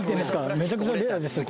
めちゃくちゃレアですよ